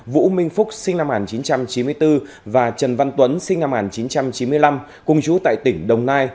vũ minh phúc sinh năm một nghìn chín trăm chín mươi bốn và trần văn tuấn sinh năm một nghìn chín trăm chín mươi năm cùng chú tại tỉnh đồng nai